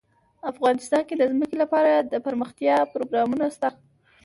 افغانستان کې د ځمکه لپاره دپرمختیا پروګرامونه شته.